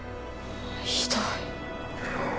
ひどい。